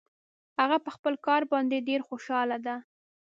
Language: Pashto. هغه په خپل کار باندې ډېر خوشحاله ده